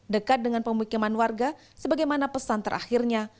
dekat dengan pemukiman warga sebagaimana pesan terakhirnya